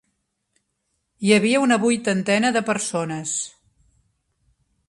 Hi havia una vuitantena de persones.